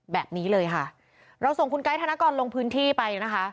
แบบนี้เลยค่ะเราส่งคุณไกด์ธนกรลงพื้นที่ไปนะคะ